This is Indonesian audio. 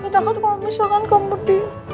takut kalo misalkan kamu di